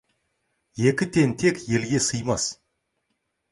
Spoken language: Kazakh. Екі тентек елге сыймас.